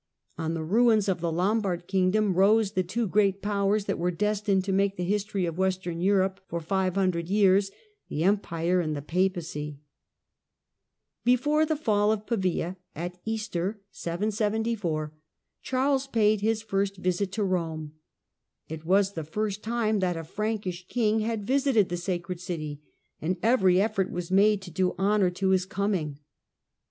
On the ruins of the Lombard kingdom rose the two great powers that were destined to make the history of Western Europe for five hundred years — the Empire and the Papacy. SKf Before the fall of Pavia, at Easter, 774, Charles paid Rome, 774 his first visit to Rome. It was the first time that a Frankish king had visited the sacred city, and every effort was made to do honour to his coining.